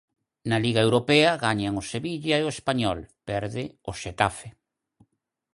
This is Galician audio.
Na Liga Europa gañan o Sevilla e o Español, perde o Xetafe.